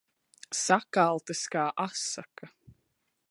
Sakaltis kā asaka.